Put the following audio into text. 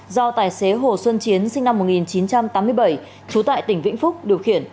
do tài xế hồ xuân chiến sinh năm một nghìn chín trăm tám mươi bảy trú tại tỉnh vĩnh phúc điều khiển